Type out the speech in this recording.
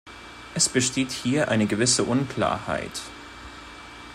Es besteht hier eine gewisse Unklarheit.